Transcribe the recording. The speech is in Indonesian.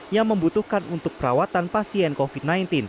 yang membutuhkan untuk perawatan pasien covid sembilan belas